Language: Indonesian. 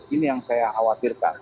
ini yang saya khawatirkan